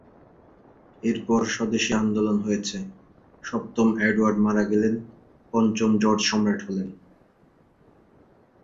এরপর স্বদেশী আন্দোলন হয়েছে, সপ্তম এডওয়ার্ড মারা গেলেন, পঞ্চম জর্জ সম্রাট হলেন।